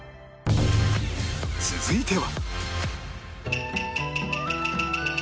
続いては